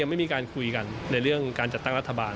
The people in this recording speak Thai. ไม่มีการคุยกันในเรื่องการจัดตั้งรัฐบาล